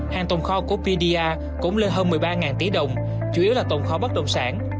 hàng tồn kho của pda cũng lên hơn một mươi ba tỷ đồng chủ yếu là tồn kho bất động sản